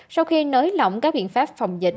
sau khi nới lỏng các biện pháp phòng dịch